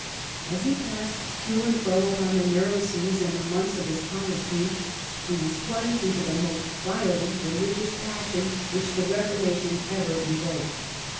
As he passed to and fro upon the narrow seas in the months of his hottest youth, he was plunged into the most violent religious passion which the Reformation ever evoked.